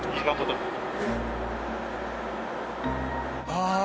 ああ！